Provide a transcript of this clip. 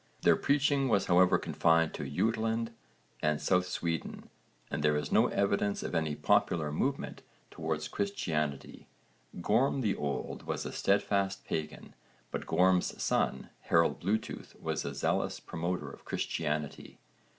Their preaching was however confined to Jutland and South Sweden and there is no evidence of any popular movement towards Christianity. Gorm the Old was a steadfast pagan but Gorm's son Harold Bluetooth was a zealous promoter of Christianity.